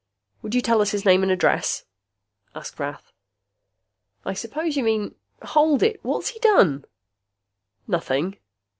"Would you tell us his name and address?" asked Rath. "I suppose you mean hold it! What's he done?" "Nothing."